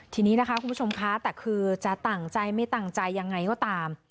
ทีนี้นะคะคุณผู้ชมคะแต่คือจะตั้งใจไม่ตั้งใจยังไงก็ตาม